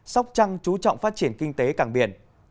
sóc trăng chú trọng phát triển kinh tế cảng biển